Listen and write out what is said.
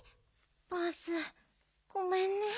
バースごめんね。